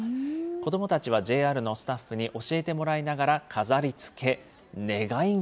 子どもたちはＪＲのスタッフに教えてもらいながら、飾りつけ。